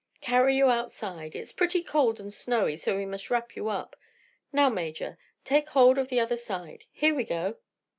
"Carry you outside. It's pretty cold and snowy, so we must wrap you up. Now, Major, take hold on the other side. Here we go!"